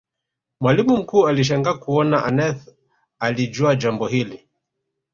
mwalimu mkuu alishangaa kuona aneth analijua jambo hili